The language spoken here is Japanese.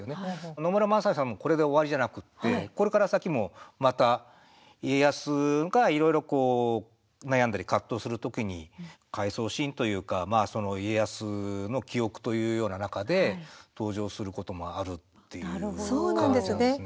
野村萬斎さんもこれで終わりじゃなくてこれから先もまた家康がいろいろ悩んだり葛藤する時に回想シーンというか家康の記憶というような中で登場することもあるっていう感じですね。